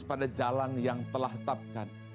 pada jalan yang telah tapkan